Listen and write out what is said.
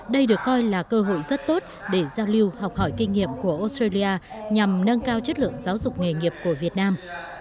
đây được coi là cơ hội rất tốt để giao lưu học hỏi kinh nghiệm của australia nhằm nâng cao chất lượng giáo dục nghề nghiệp của việt nam